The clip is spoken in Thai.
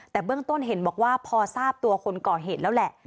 แต่เบื้องต้นเห็นบอกว่าพอทราบตัวคนก่อเหตุแล้วแหละ